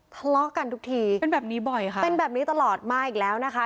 ทะเลาะกันทุกทีเป็นแบบนี้บ่อยค่ะเป็นแบบนี้ตลอดมาอีกแล้วนะคะ